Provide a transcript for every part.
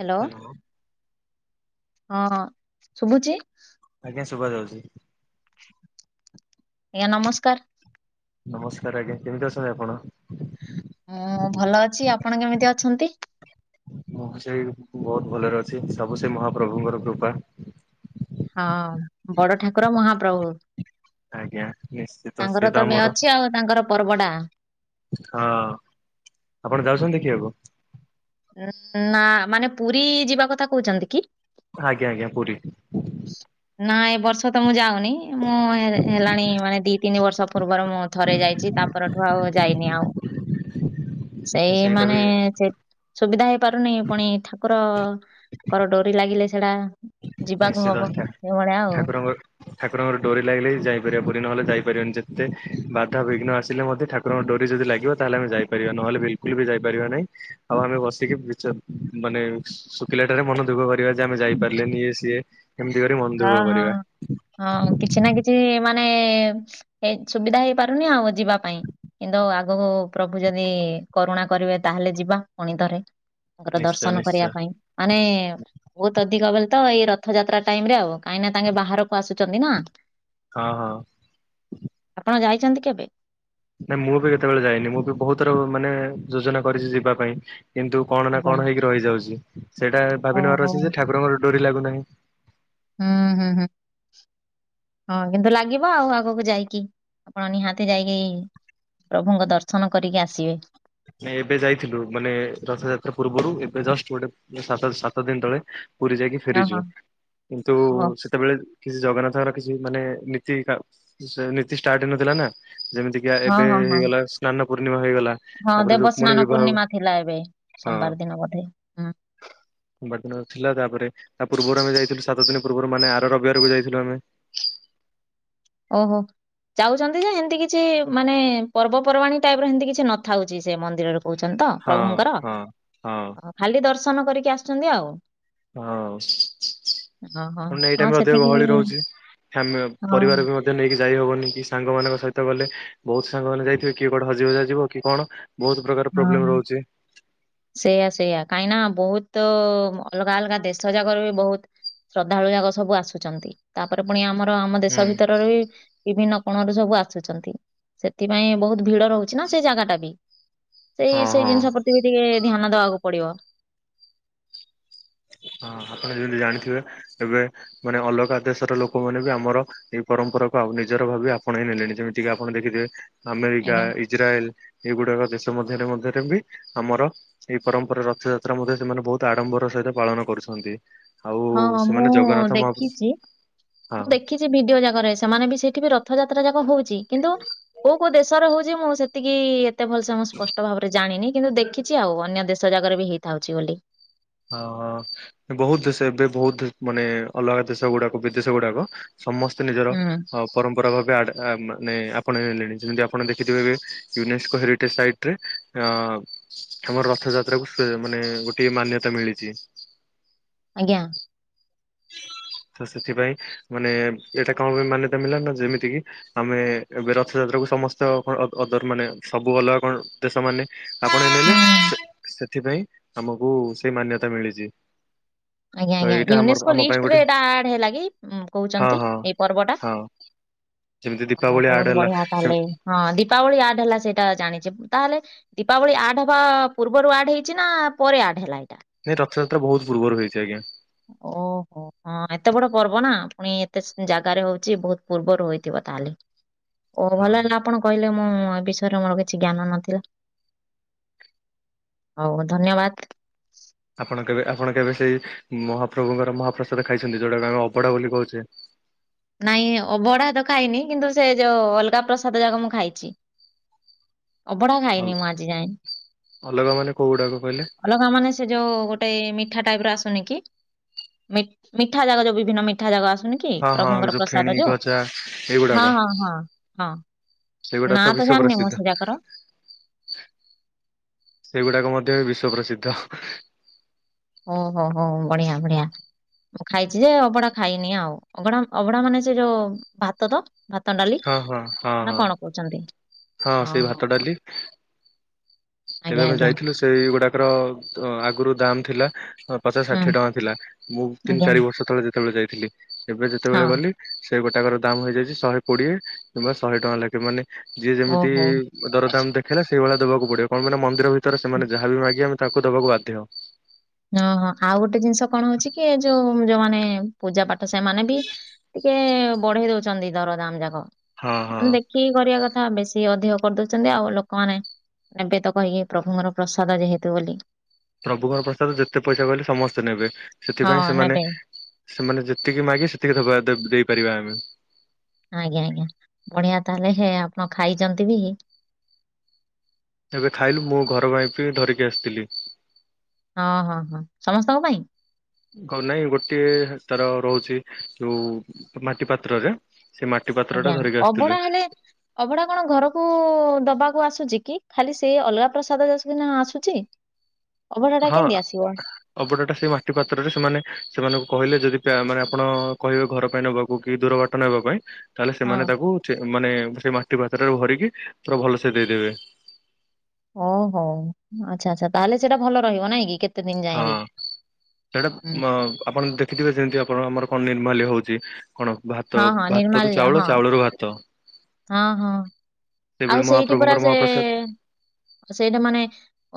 Hello ହଁ ଶୁବୁଚି। ଆଜ୍ଞା ଶୁଭା ଯାଉଛି। ଆଜ୍ଞା ନମସ୍କାର। ନମସ୍କାର ଆଜ୍ଞା କେମିତି ଅଛନ୍ତି ଆପଣ? ମୁଁ ଭଲ ଅଛି ଆପଣ କେମିତି ଅଛନ୍ତି। ମୁଁ ସେଇ ବହୁତ ଭଲରେ ଅଛି ସବୁ ସେଇ ମହାପ୍ରଭୁଙ୍କର କୃପା। ହଁ ବଡ଼ ଠାକୁର ମହାପ୍ରଭୁ। ଆଜ୍ଞା ନିଶ୍ଚିତ ସିଏ ତାଙ୍କର ତ ଏବେ ଆମର ଅଛି ଆଉ ତାଙ୍କର ପର୍ବଡ଼ା। ହଁ ଆପଣ ଯାଉଛନ୍ତି ଦେଖିବାକୁ? ନାଁ ମାନେ ପୁରୀ ଯିବା କଥା କହୁଛନ୍ତି କି? ଆଜ୍ଞା, ଆଜ୍ଞା ପୁରୀ। ବ ନାଁ ଏ ବର୍ଷ ତ ମୁଁ ଯାଉନି ମୁଁ ହେଲାଣି ମାନେ ଦି ତିନି ବର୍ଷ ପୂର୍ବରୁ ମୁଁ ଥରେ ଯାଇଛି ତାପ ପରଠୁ ଆଉ ଯାଇନି ଆଉ। [inaudible] ସେଇ ସେଇଟା ମାନେ ବି ସେ ସୁବିଧା ହେଇ ପାରୁନି ପୁଣି ଠାକୁରଙ୍କର ଡୋରି ଲାଗିଲେ ସେଡ଼ା ଯିବାକୁ ନିଶ୍ଚିତ ହବ ଠା ସେଇଭଳିଆ ଆଉ। ଠାକୁରଙ୍କ ଠାକୁରଙ୍କର ଡ଼ୋରି ଲାଗିଲେ ଯାଇପାରିବ ପୁରୀ ନହେଲେ ଯାଇପାରିବନି ଯେତେ ବାଧାବିଘ୍ନ ଆସିଲେ ମଧ୍ୟ ଠାକୁର ଡ଼ୋରି ଯଦି ଲାଗିବ ତାହେ ଆମେ ଯାଇପାରିବା ନହେଲେ ବିଲକୁଲ ବି ଯାଇପାରିବା ନାହିଁ ଆଉ ଆମେ ବସିକି ମିଚ ମାନେ ଶୁଖିଲାଟାରେ ମନ ଦୁଃଖ କରିବା ଯା ପାରିଲେନି ଇଏ ସିଏ। ମନ ହଁ, ଦୁଃଖ କରିବା ହଁ, ହଁ କିଛି ନା କିଛି ମାନେ ଏ ସୁବିଧା ହେଇପାରୁନି ଆଉ ଯିବା ପାଇଁ। କିନ୍ତୁ ଆଗକୁ ପ୍ରଭୁ ଯଦି କରୁଣା କରିବେ ତାହେଲେ ଯିବା ପୁଣି ଥରେ। ତାଙ୍କର ନିଶ୍ଚୟ ଦର୍ଶନ କରିବା ନିଶ୍ଚୟ ପାଇଁ ମାନେ ବହୁତ ଅଧିକ ବଲେ ତ ଏଇ ରଥ ରଥଯାତ୍ରା ଟାଇମ ରେ ଆଉ କାହିଁକି ନା ତାଙ୍କେ ବାହାରକୁ ଆସୁଛନ୍ତି ନାଁ। ହଁ, ହଁ। ଆପଣ ଯାଇଚନ୍ତି କେବେ? ନାଇ ମୁଁ ବି କେତେବେଳେ ଯାଇନି ମୁଁ ବି ବହୁତ ଥର ମାନେ ଯୋଜନା କରିଛି ଯିବା ପାଇଁ କିନ୍ତୁ କଣ ନା ଆଜ୍ଞା କଣ ହେଇକି ରହିଯାଉଛି ସେଇଟା ଭାବି ନବାର ଓହୋ ଅଛି ଯେ ଠାକୁରଙ୍କର ଡୋରି ଲାଗୁନାହିଁ। ହଁ, ହୁଁ, ହୁଁ। ହଁ କିନ୍ତୁ ଲାଗିବ ଆଉ ଆଗକୁ ଯାଇକି ଆପଣ ନିହାତି ଯାଇକି ପ୍ରଭୁଙ୍କ ଦର୍ଶନ କରିକି ଆସିବେ। ନାଇ ଏବେ ଯାଇଥିଲୁ ମାନେ ରଥଯାତ୍ରା ପୂର୍ବରୁ ଏବେ ଜଷ୍ଟ ଗୋଟେ ସାତ ସାତ ଦିନ ତଳେ। ପୁରୀ ଯାଇକି ଓହୋ ଫେରିଯିବ, କିନ୍ତୁ ଓହୋ ସେ ସେତେବେଳେ କିଛି ଜଗନ୍ନାଥଙ୍କର କିଛି ମାନେ ନୀତି କା, ସେ ନୀତି ଷ୍ଟାର୍ଟ ହେଇନଥିଲା ନା ଯେମିତି ୟା ହଁ ଏବେ ହଁ ହଁ ହେଇଗଲା ସ୍ନାନ ପୂର୍ଣ୍ଣିମା ହେଇଗଲା। ହଁ ତାପରେ ରୁକ୍ମଣୀ ଦେବସ୍ନାନ ବିବାହ ପୂର୍ଣ୍ଣିମା ଥିଲା ଏବେ ହଁ ସୋମବାର ଦିନ ବୋଧେ ହୁଁ। ସୋମବାର ଦିନ ଥିଲା ତାପରେ ତା ପୂର୍ବରୁ ଆମେ ଯାଇଥିଲୁ ସାତ ଦିନ ପୂର୍ବରୁ ମାନେ ଆର ରବିବାରକୁ ଯାଇଥିଲୁ ଆମେ। ଓହୋ। ଯାଉଛନ୍ତି ଯେ ଏମିତି କିଛି ମାନେ ପର୍ବପର୍ବାଣୀ ଟାଇପର ଏମିତି କିଛି ନଥାଉଛି ସେ ମନ୍ଦିରରୁ। କହୁଛନ୍ତି ତ ହଁ ପ୍ରଭୁଙ୍କର ହଁ ହଁ ଖାଲି ଦର୍ଶନ କରିକି ଆସୁଛନ୍ତି ଆଉ। ହଁ ହଁ, ହଁ, ପୁଣି ନା ଏଇ ହଁ ଟାଇମରେ ଅଧିକ ସେତିକି ଗହଳି ରହୁଛି, ଫ୍ୟାମି ହଁ, ପରିବାର ବି ମ ଧ୍ୟ ନେଇକି ଯାଇ ହବନି କି ସାଙ୍ଗମାନଙ୍କ ସହିତ ଗଲେ, ବହୁତ ସାଙ୍ଗମାନେ ଯାଇଥିବେ କିଏ କୁଆଡ଼େ ହଜି ହୁଜା ଯିବ କି କଣ? ବହୁତ ପ୍ରକାର ପ୍ରୋବ୍ଲେମ ରହୁଛି। ସେଇୟା ସେଇୟା, କାହିଁକି ନା ବହୁତ ଅଲଗା ଅଲଗା ଦେଶଯାକର ବି ବହୁତ ଶ୍ରଦ୍ଧାଳୁ ଯାକ ସବୁ ଆସୁଛନ୍ତି। ତାପରେ ପୁଣି ଆମର ଆମ ଦେଶ ହୁଁ ଭିତରରୁ ବି ବିଭିନ୍ନ କୋଣରୁ ସବୁ ଆସୁଛନ୍ତି। ସେଥିପାଇଁ ବହୁତ ଭିଡ଼ ରହୁଛି ନା ସେ ଜାଗାଟା ବି। ସେଇ ହଁ ସେଇ ହଁ। ଜିନିଷ ପ୍ରତି ବି ଟିକେ ଧ୍ୟାନ ଦବାକୁ ପଡିବ। ହଁ ଆପଣ ଯେମିତି ଜାଣିଥିବେ ଏବେ ମାନେ ଅଲଗା ଦେଶର ଲୋକମାନେ ବି ଆମର ଏଇ ପରମ୍ପରାକୁ ଆଉ ନିଜର ଭାବେ ଆପଣେଇ ନେଲେଣି ଯେମିତିକି ଆପଣ ଦେଖିଥିବେ ଆମେରିକା, ଆଜ୍ଞା। ଇ ଇଜ୍ରାଇଲ୍, ଏଇଗୁଡାକ ଦେଶ ମଧ୍ୟରେ ମଧ୍ୟରେ ବି ଆମର ଏଇ ପରମ୍ପରା ରଥଯାତ୍ରା ମଧ୍ୟ ସେମାନେ ବହୁତ ଆଡ଼ମ୍ବର ସହିତ ପାଳନ କରୁଛନ୍ତି। ଆଉ ହଁ ସେମାନେ ମୁଁ ଜଗନ୍ନାଥ ମହାପ୍ର ଦେଖିଛି, ହଁ ମୁଁ ଦେଖି ଚି ଭିଡିଓ ଯାକରେ ସେମାନେ ବି ସେଇଠି ବି ରଥଯାତ୍ରା ଯାକ ହଉଛି କିନ୍ତୁ କୋଉ କୋଉ ଦେଶରେ ହଉଛି ମୁଁ ସେତିକି ଏତେ ଭଲସେ ମୁଁ ସ୍ପଷ୍ଟ ଭାବରେ ଜାଣିନି କିନ୍ତୁ ଦେଖି ଛି ଆଉ ଅନ୍ୟ ଦେଶ ଯାକରେ ବି ହେଇଥାଉଛି ବୋଲି। ହଁ, ହଁ ବହୁତ ଦେଶ ଏବେ ବହୁତ ମାନେ ଅଲଗା ଦେଶ ଗୁଡ଼ାକ ବିଦେଶ ଗୁଡ଼ାକ ସମସ୍ତେ ନିଜର ହୁଁ ଅ ପରମ୍ପରା ଭାବେ ଆଡ଼ ଆ ମାନେ ଆପଣେଇ ନେଲେଣି ଯେମିତି ଆପଣ ଦେଖିଥିବେ ଏବେ ୟୁନେସ୍କୋ ହେରିଟେ ସାଇଟ୍ ରେ ଏ ଅଁ ଆମର ରଥଯାତ୍ରାକୁ [unintelligible] ମାନେ ଗୋଟେ ମାନ୍ୟତା ମିଳିଚି। ଆଜ୍ଞା। ତ ସେଥିପାଇଁ ମାନେ ଏଇଟା କଣ ପାଇଁ ମାନ୍ୟତା ମିଳିଲା ନା ଯେମିତିକିି ଆମେ ଏବେ ରଥଯାତ୍ରାକୁ ସମସ୍ତ ଅ କଣ ଅଦର ମାନେ ସବୁ ଅଲଗା କଣ ଦେଶମାନେ ଆପଣେ ହୁଁ ସେଥିପାଇଁ ଆମକୁ ସେଇ ମାନ୍ୟତା ମିଳିଚି। ଆଜ୍ଞା, ଆଜ୍ଞା, ୟୁନିସ୍କୋ ପାଇଁ ଲିଷ୍ଟରେ ଗୋଟେ ଏଟା ଆଡ଼୍ ହେଲା କି ହୁଁ ହଁ କହୁଛନ୍ତି ହଁ ଏଇ ପର୍ବଟା? ହଁ ଯେମିତି ହବ ଦୀପାବଳି ଆଡ ବଧେ ହେଲା ବଢିଆ ସେ ତାହେଲେ ହଁ ଦୀପାବଳି ଆର୍ଟ ହେଲା ସେଇଟା ଜାଣିଛି ତାହେଲେ ଦୀପାବଳି ଆର୍ଡ଼ ହବା ପୂର୍ବରୁ ଆଡ଼୍ ହେଇଛି ନା ପରେ ଆର୍ଡ଼ ହେଲା ଏଟା। ସେ ରଥଯାତ୍ରା ବହୁତ ପୂର୍ବରୁ ହେଇଛି ଆଜ୍ଞା। ଓହୋ। ହଁ ଏତେ ବଡ ପର୍ବ ନା ପୁଣି ଏତେ ଜାଗାରେ ହଉଛି ବହୁତ ପୂର୍ବରୁ ହୋଇଥିବ ତାହେଲେ। ଓ ହଁ ଭଲ ହେଲା ଆପଣ କହିଲେ ମୁଁ ଏ ବିଷୟରେ ମୋର କିଛି ଜ୍ଞାନ ନଥିଲା। ହଉ ଧନ୍ୟବାଦ୍। ଆପଣ କେବେ ଆପଣ କେବେ ସେଇ ମହାପ୍ରଭୁଙ୍କର ମହାପ୍ରସାଦ ଖାଇଛନ୍ତି ଯୋଉଟାକୁ ଆମେ ଅବଡ଼ା ବୋଲି କହୁଛେ। ନାଇଁ ଅଭଡା ତ ଖାଇନି କିନ୍ତୁ ସେ ଯୋଉ ଅଲଗା ପ୍ରସାଦ ଯାକ ମୁଁ ଖାଇଛି। ଅଭଢା ଖାଇନି ମୁଁ ଆଜି ଯାଏଁ। ଅଲଗା ମାନେ କୋଉ ଗୁଡାକ କହିଲେ ଅଲଗା ମାନେ ସେ ଯୋଉ ଗୋଟେ ମିଠା ଟାଇପ୍ ର ଆସୁନି କି। ମି-ମିଠା ଜାଗ ଯୋଉ ବିଭିନ୍ନ ମିଠା ଜାଗ ଆସୁନି କି। ହଁ ହଁ ପ୍ରଭୁଙ୍କର ଫେଣି ପ୍ରସାଦ ଯୋଉ ଗଜା ହଁ ହଁ ହଁ ହଁ। ସେଗୁଡା ନା ତ ଜାଣିନି ମୁଁ ବିଶ୍ଵପ୍ରସିଦ୍ଧ। ସେ ଯାକର। ସେଗୁଡାକ ମଧ୍ୟ ବି ବିଶ୍ୱପ୍ରସିଦ୍ଧ। ଓ ହୋ ହୋ ହୋ ବଢିଆ ବଢିଆ। ଖାଇଚି ଯେ ଅଭଡା ଖାଇନି ଆଉ। ଅଭଡା ଅଭଡା ମାନେ ସେ ଯୋଉ ଭାତ ତ। ଭାତ ଡାଲି ହଁ ହଁ ହଁ ହଁ। ନା କଣ କହୁଚନ୍ତି? ହଁ ସେଇ ଭାତ ଡାଲି ତେବେ ଆଜ୍ଞା ଆମେ ଆଜ୍ଞା ଯାଇଥିଲୁ ସେଇଗୁଡାକର ତ୍ ଆଗୁରୁ ଦାମ୍ ଥିଲା ତ ପଚାଶ ହୁଁ ଷାଠିଏ ଟଙ୍କା ଥିଲା, ମୁଁ ତିନି ଆଜ୍ଞା। ଚାରି ବର୍ଷ ତଳେ ଯେତେବେଳେ ଯାଇଥିଲି। ଏବେ ହଁ ଯେତେବେଳେ ଗଲି ସେ ଗୋଟାକର ଦାମ୍ ହୋଇଯାଇଚି ଶହେ କୋଡିଏ କିମ୍ବା ଶହେ ଟଙ୍କା ଲେଖେ, ମାନେ ଯିଏ ଓହୋ ଯେମିତି ଦରଦାମ୍ ଦେଖେଇଲା ସେଇଭଳିଆ ଦବାକୁ ପଡିବ କଣପାଇଁ ନା ମନ୍ଦିର ଭିତର ସେମାନେ ଯାହାବ ବି ମାଗିବେ ଆମେ ତାକୁ ଦବାକୁ ବାଧ୍ୟ। ଓହୋ ଆଉ ଗୋଟେ ଜିନିଷ କଣ ହଉଚି କି ଯୋଉ ଯୋଉମାନେ ପୂଜା ପାଠ ସେମାନେ ବି ଟିକେ ବଢେଇ ଦଉଚନ୍ତି ଦର ଦାମ୍ ଯାକ। ହଁ ହଁ। ମାନେ ଦେଖିକି କରିବା କଥା ବେଶୀ ଅଧିକ କରିଦଉଚନ୍ତି ଆଉ ଲୋକମାନେ ନେବେ ତ କହିକି ପ୍ରଭୁଙ୍କର ପ୍ରସାଦ ଯେହେତୁ ବୋଲି। ପ୍ରଭୁଙ୍କର ପ୍ରସାଦ ଯେତେ ପଇସା କହିଲେ ସମସ୍ତେ ନେବେ ହଁ ସେଥିପାଇଁ ସେମାନେ ନେବେ ସେମାନେ ଯେତିକି ମାଗେ ସେତିକି ଦବା-ଦେଇପାରିବା ଆମେ। ଆଜ୍ଞା ଆଜ୍ଞା ବଢିଆ ତାହେଲେ ହେ ଆପଣ ଖାଇଚନ୍ତି ବି ତେବେ ଖାଇଲୁ ମୁଁ ଘର ପାଇଁ ପି ଧରିକି ଆସିଥିଲି। ହଁ ହଁ ହଁ, ସମସ୍ତଙ୍କ ପାଇଁ? କଣ୍ ନାଇଁ ଗୋଟିଏ ତାର ରହୁଚି ଯୋଉ ମାଟି ପାତ୍ରରେ ସେ ମାଟ୍ ଆଜ୍ଞା ଅଭଢା ହେଲେ ଅଭଡା କଣ ଘରକୁ ଦବାକୁ ଆସୁଚି କି ଖାଲି ସିଏ ଅଲଗା ପ୍ରସାଦ ଜେସିକିନା ଆସୁଚି। [inaudible] ହଁ। ଅଭଡା ଟା ସେଇ ମାଟି ପାତ୍ରରେ ସେମାନେ ସେମାନଙ୍କୁ କହିଲେ ଯଦି ପ୍ୟା-ମାନେ ଆପଣ କହିବେ ଘର ପାଇଁ ନବାକୁ କି ଦୂର ବାଟ୍ ଟ ନେବାପାଇଁ ତାହେଲେ ହଁ ସେମାନେ ତାକୁ ଛେ ମାନେ ସେ ମାଟି ପାତ୍ରରେ ଭରିକି ପୁରା ଭଲସେ ଦେଇଦେବେ। ଓହୋ ଆଚ୍ଛା ଆଚ୍ଛା ତାହାଲେ ସେଇଟା ଭଲ ରହିବ ନାଇଁ କି କେ ହଁ ସେଟା ମ-ଆପଣ ଦେଖିଥିବେ ଯେମିତି ଆପଣ ଆମର କଣ ନିର୍ମାଲ୍ୟ ହଉଚି କଣ ହଁ ଭାତ ହଁ ଭାତ ରୁ ନିର୍ମାଲ୍ୟ ହଁ ଚାଉଳ ଚାଉଳ ରୁ ଭାତ। ହଁ ହଁ ଆଉ ସେଭଳି ସେଇଠି ପରା ମହାପ୍ରଭୁଙ୍କର ସେ ମହାପ୍ରସାଦ ସେଇଠେ ମାନେ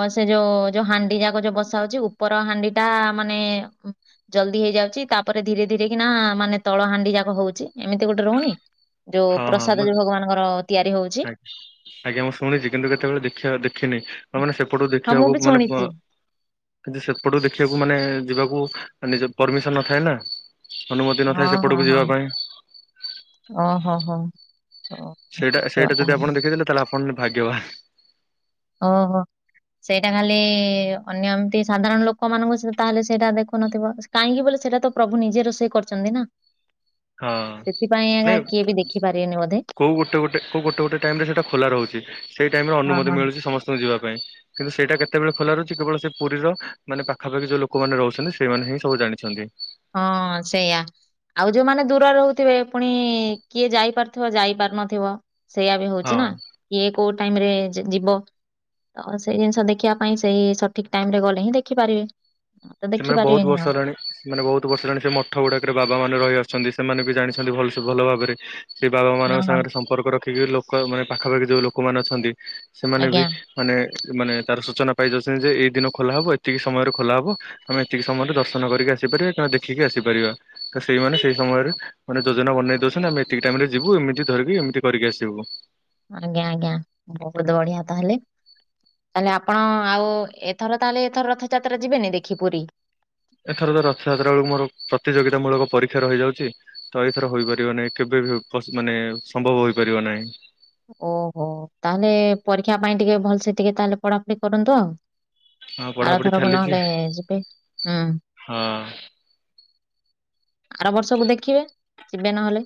ଅ ସେ ଯୋଉ ଯୋଉ ହାଣ୍ଡି ଯାକ ଯୋଉ ବସା ହଉଚି ଉପର ହାଣ୍ଡି ଟା ମାନେ ଜଲଦି ହେଇଯାଉଚି ତାପରେ ଧୀରେ ଧୀରେ କି ନା ମାନେ ତଳ ହାଣ୍ଡି ଯାକ ହଉଚି ଏମିତି ଗୋଟେ ରହୁନି? ଯୋଉ ହଁ ହଁ ମୁଁ ପ୍ରସାଦ ଯୋଉ ଭଗବାନଙ୍କର ତିଆରି ହଉଚି। ଆ- ଆଜ୍ଞା ମୁଁ ଶୁଣିଚି କିନ୍ତୁ କେତେବେଳେ ଦେଖିବା ଦେଖିନି। ତାମାନେ ସେପଟୁ ହଁ ମୁଁ ବି ଦେଖିବାକୁ ମାନେ ପ ଶୁଣିଛି। କିନ୍ତୁ ସେପଟକୁ ଦେଖିବାକୁ ମାନେ ଯିବାକୁ ନିଜ ପରମିସନ ନଥାଏ ନା। ଅନୁମତି ହଁ ନଥାଏ ହଁ ସେପଟକୁ ହଁ ଯିବା ପାଇଁ ଓ ହୋ ହୋ ହୋ ହଉ। ସେଇଟା ସେଇଟା ଜଦି ଆପଣ ଦେଖିଦେଲେ ତାହେଲେ ଆପଣ ନ-ଭାଗ୍ୟବାନ୍। ଓହୋ। ସେଇଟା ଖାଲି ଇ ଇ ଇ ଅନ୍ୟ ଏମତି ସାଧାରଣ ଲୋକ ମାନଙ୍କୁ ସେ ତାହେଲେ ସେଇଟା ଦେଖୁନଥିବ। କାହିଁକି ବୋଲେ ସେଟା ତ ପ୍ରଭୁ ନିଜେ ରୋଷେଇ କରିଛନ୍ତି ନା। ହଁ ସେଥିପାଇଁ ଆଜ୍ଞା କିଏ ବି ଦେଖିପାରିବେନି ବୋଧେ। କଉ ଗୋଟେ ଗୋ ଟେ କୋଉ ଗୋଟେ ଗୋଟେ ଟାଇମରେ ସେଇଟା ଖୋଲା ରହୁଚି ସେଇ ଟାଇମରେ ହଁ ଅନୁମତି ହଁ। ମିଳୁଚି ସମସ୍ତଙ୍କୁ ଯିବା ପାଇଁ। କିନ୍ତୁ ସେଇଟା କେତେବେଳେ ଖୋଲା ରହୁଚି କେବଳ ସେ ପୁରୀର ମାନେ ପାଖାପାଖି ଯୋଉ ଲୋକମାନେ ରହୁଛନ୍ତି ସେମାନେ ହିଁ ସବୁ ଜାଣିଛନ୍ତି। ହଁ ସେୟା। ଆଉ ଯୋଉମାନେ ଦୂର ରହୁଥିବେ ଫୁଣି ଇ ଇ କିଏ ଯାଇପାରୁଥୁବ ଯାଇ ପାରୁନଥିବ। ସେୟା ବି ହଉଚି ହଁ ନା କିଏ କୋଉ ଟାଇମରେ ଯି ଯିବ। ତ ସେଇ ଜିନିଷ ଦେଖିବା ପାଇଁ ସେଇ ସଠିକ୍ ଟାଇମ୍ ରେ ଗଲେ ହିଁ ଦେଖିପାରିବେ। ତ ଦେଖି ସେମାନେ ବହୁତ ପାରିବେନି ବର୍ଷ ଆଉ। ହେଲାଣି ମାନେ ବହୁତ ବର୍ଷ ହେଲାଣି ସେ ମଠ ଗୁଡ଼ାକରେ ବାବା ମାନେ ରହିଆସଛନ୍ତି ସେମାନେ ବି ଜାଣିଛନ୍ତି ଭଲସେ ଭଲ ଭାବେରେ। ସେ ବାବା ମାନଙ୍କ ହଁ ହଁ। ସାଙ୍ଗରେ ସମ୍ପର୍କ ରଖିକି ଲୋକ ମାନେ ପାଖାପାଖି ଯୋଉ ଲୋକମାନେ ଅଛନ୍ତି ସେମାନେ ବି ଆଜ୍ଞା ମାନେ ମାନେ ତାର ସୂଚନା ପାଇ ଯାଉଚନ୍ତି ଯେ ଏଇ ଦିନ ଖୋଲା ହବ ଏତିକି ସମୟରେ ଖୋଲା ହବ। ଆମେ ଏତିକି ସମୟରେ ଦର୍ଶନ କରିକି ଆସିପାରିବା କିମ୍ବା ଦେଖିକି ଆସିପାରିବା। ତ ସେଇମାନେ ସେଇ ସମୟରେ ମାନେ ଯୋଜନା ବନେଇ ଦଉସନ୍ତି ଆମେ ଏତିକି ଟାଇମରେ ଯିବୁ ଏମିତି ଧରିକି ଏମିତି କରିକି ଆସିବୁ। ଆଜ୍ଞା ଆଜ୍ଞା ବହୁତ ବଢ଼ିଆ ତାହାଲେ। ମାନେ ଆପଣ ଆଉ ଏଥର ତାହେଲେ ଏଥର ରଥଯାତ୍ରା ଯିବେନି ଦେଖି ପୁରୀ? ଏଥର ତ ରଥଯାତ୍ରା ବେଳକୁ ମୋର ପ୍ରତିଯୋଗିତା ମୂଳକ ପରୀକ୍ଷା ରହିଯାଉଚି। ତ ଏଇଥର ହୋଇପାରିବ ନାଇଁ କେବେ ବି ପସ ମାନେ ସମ୍ଭବ ହୋଇପାରିବ ନାଇଁ। ଓହୋ ତାହେଲେ ପରୀକ୍ଷା ପାଇଁ ଟିକେ ଭଲସେ ଟିକେ ତାହେଲେ ପଢ଼ାପଢ଼ି କରନ୍ତୁ ଆଉ। ହଁ ଆର ପଢାପଢି ଥରକୁ ଚାଲିଛି ନହେଲେ ଯିବେ ହୁଁ। ହଁ ଆର ବର୍ଷକୁ ଦେଖିବେ ଯିବେ ନହେଲେ।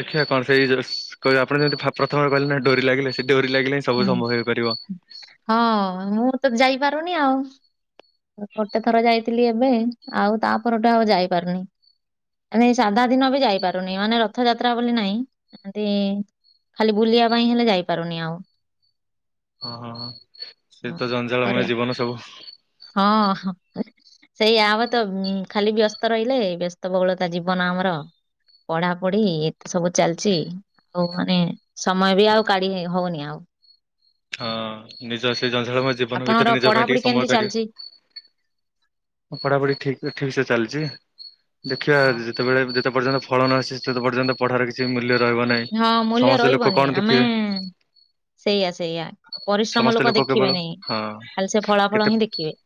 ଦେଖିବା କଣ ସେଇ ଯୋଉ ରସ୍ ଆପଣ ଯେମିତି ଫ ପ୍ରଥମରୁ କହିଲେ ନା ଡୋରି ଲାଗିଲେ ସେ ଡୋରି ଲାଗିଲେ ସବୁ ହୁଁ ସମ୍ଭବ ହେଇପାରିବ। ହଁ ମୁଁ ତ ଯାଇପାରୁନି ଆଉଁ। ଗୋ ଗୋଟେ ଥର ଯାଇଥିଲି ଏବେଁ ଆଉ ତାପରଠୁ ଆଉ ଯାଇପାରୁନି। ମାନେ ସାଧା ଦିନ ବି ଯାଇପାରୁନି ମାନେ ରଥଯାତ୍ରା ବୋଲି ନାଇଁ ଏମତି ଇ ଇ ଖାଲି ବୁଲିବା ପାଇଁ ହେଲେ ଯାଇପାରୁନି ଆଉଁ। ହଁ ହଁ ହଁ ସିଏ ହଁ ତ କଣ ଜଞ୍ଜାଳ କରିବା ମୟ ଜୀବନ ସବୁ। ହଁ ହଁ। ସେଇଆ ଆମେ ତ ଉଁ ଖାଲି ବ୍ୟସ୍ତ ରହିଲେ ବ୍ୟସ୍ତ ବହୁଳତା ଜୀବନ ଆମର। ପଢ଼ାପଢ଼ି ଏତେ ସବୁ ଚାଲଚି ହଉ ମାନେ ସମୟ ବି ଆଉ କାଢ଼ି ହଉନି ଆଉ। ହଁ ନିଜ ସେ ଜଁଝାଳ ମୟ ଜୀବନ ଆପଣଙ୍କର ଭିତେରେ ନିଜ ପାଇଁ ପଢାପଢି ଟିକେ କେମିତି ସମୟ କାଟିବେ। ଚାଲିଛି? ମୋ ପଢ଼ାପଢ଼ି ଠିକ୍ ରେ ଠିକ୍ ସେ ଚାଲଚି ଦେଖିବା ହଁ। ଯି ତେବେଳେ ଯେତେ ପର୍ଯ୍ୟନ୍ତ ଫଳ ନ ଆସଚି ସେତେ ପର୍ଯ୍ୟନ୍ତ ପଢ଼ାର କି ଛି ମୂଲ୍ୟ ରହିବ ନାଇଁ ହଁ ମୂଲ୍ୟ ସମସ୍ତେ ଲୋକ ରହିବନି କଣ ଆମେ ଦେଖିବେ? ସେଇଆ ସେଇଆ ପରିଶ୍ରମ ସମସ୍ତେ ଲୋକ କେବଳ ଦେଖିବେ ନାଇଁ ହଁ ଖାଲି ସେ ଫଳା କେତେ ଫଳ ହିଁ ଦେଖିବେ।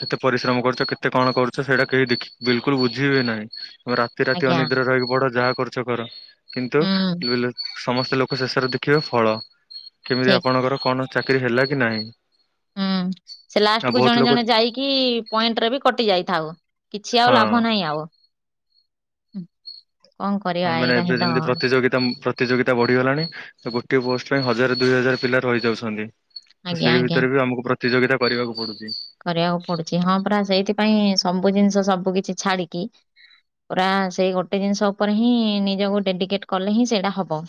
କେତେ ପରିଶ୍ରମ କରୁଚ କେତେ କଣ କରୁଚ ସେଡ଼ା କେହି ଦେଖି ବିଲକୁଲ ବୁଝିବେ ନାହିଁ। ତମେ ରାତି ରାତି ଆଜ୍ଞା ଅନିଦ୍ର ରହିକି ପଢ଼ ଯାହା କରୁ ଚ କର କିନ୍ତୁ ହୁଁ କିଲବିଲ ସମସ୍ତେ ଲୋକ ଶେଷରେ ଦେଖିବେ ଫଳ। କେମିତି ଠିକ ଆପଣଙ୍କର କଣ ଚାକିରି ହେଲା କି ନାହିଁ? ହୁଁ ସେ ଆଉ ଲାଷ୍ଟ କୁ ବହୁତ ଜଣେ ଲୋକ ଜଣେ ଯାଇକି ପଏଣ୍ଟ ରା ବି କଟି ଯାଇଥାଉ। କିଛି ଆଉ ହଁ ଲାଭ ନାହିଁ ଆଉ। କରିବା କଣ ମାନେ ଏଇଟା ଏବେ ହିଁ ତ ଯେମିତି ପ୍ରତିଯୋଗିତା ଉମ ପ୍ର ତିଯୋଗିତା ବଢିଗଲାଣି ତ ଗୋଟିଏ ପୋଷ୍ଟ ପାଇଁ ହଜାର ଦୁଇ ହଜାର ପିଲା ରହିଯାଉଛନ୍ତି। ଆଜ୍ଞା ସେଇ ଆଜ୍ଞା ଭିତରେ ବି ଆମକୁ ପ୍ରତିଯୋଗିତା କରିବାକୁ ପଡୁଛି। କରିବାକୁ ପଡୁଛି ହଁ ପରା ସେଇଥିପାଇଁ ସବୁ ଜିନିଷ ସବୁ କିଛି ଛାଡିକି ପୁରା ସେଇ ଗୋଟେ ଜିନିଷ ଉପରେ ହିଁ ନିଜକୁ ଡେଡି଼କେଟ କଲେ ହିଁ ସେଇଟା ହବ।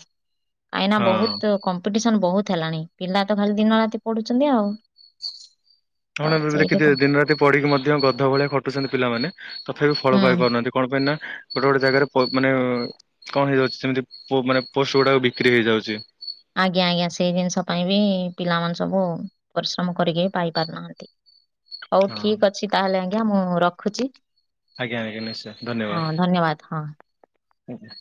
ଏଇନା ହଁ। ବହୁତ କମ୍ପିଟିସନ ବହୁତ ହେଲାଣି ପିଲା ତ ଖାଲି ଦିନ ରାତି ପଢୁଛନ୍ତି ଆଉ। ତ ଆପଣ ଏବେବି ସେଇଠି ତ ଦେଖିଥିବେ ଦିନ ରାତି ପଢିକି ମଧ୍ୟ ଗଧ ଭଳିଆ ଖଟୁଛନ୍ତି ପିଲାମାନେ। ତଥାପି ଫଳ ହୁଁ ପାଇପାରୁନାହାନ୍ତି କଣ ପାଇଁ ନାଁ ଗୋଟେ ଗୋଟେ ଜାଗାରେ ପ ମାନେ କଣ ହେଇଯାଉଛି ସେମିତି ପୋ ମାନେ ପୋଷ୍ଟ ଗୁଡାକ ବିକ୍ରି ହେଇଯାଉଛି। ଆଜ୍ଞା ଆଜ୍ଞା ସେଇ ଜିନିଷ ପାଇଁ ବି ପିଲାମାନେ ସବୁ ପରିଶ୍ରମ କରିକି ବି ପାଇ ପାରୁନାହାନ୍ତି। ହଉ ହଁ ଠିକ ଅଛି ତାହେଲେ ଆଜ୍ଞା ମୁଁ ରଖୁଛି। ଆଜ୍ଞା ଆଜ୍ଞା ନିଶ୍ଚୟ ହଁ ହଁ ଧନ୍ୟବାଦ।